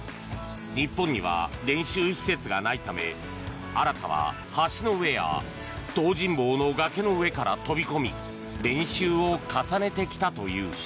日本には練習施設がないため荒田は橋の上や東尋坊の崖の上から飛び込み練習を重ねてきたという。